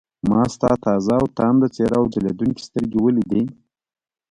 ما ستا تازه او تانده څېره او ځلېدونکې سترګې ولیدې.